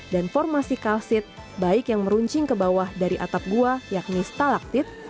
dan formasi kalsit baik yang meruncing ke bawah dari atap gua yakni stalaktit